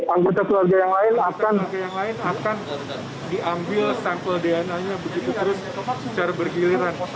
anggota keluarga yang lain akan diambil sampel dna nya begitu terus secara bergiliran